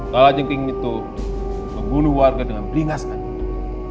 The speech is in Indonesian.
kalajengking itu membunuh warga dengan beringas kami